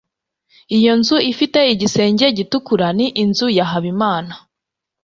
iyo nzu ifite igisenge gitukura ni inzu ya habimana